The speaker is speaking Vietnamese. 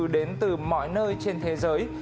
đến từ mọi nơi trên thế giới